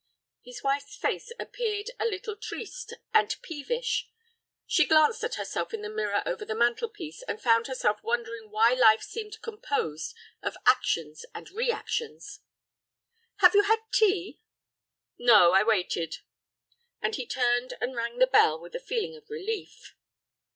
His wife's face appeared a little triste and peevish. She glanced at herself in the mirror over the mantel piece, and found herself wondering why life seemed composed of actions and reactions. "Have you had tea?" "No, I waited," and he turned and rang the bell with a feeling of relief.